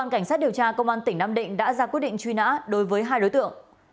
cảnh sát điều tra công an tỉnh nam định đã ra quyết định truy nã đối với hai đối tượng